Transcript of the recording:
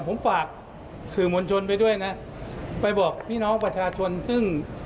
ผมฝากสื่อมวลชนไปด้วยนะไปบอกพี่น้องประชาชนซึ่ง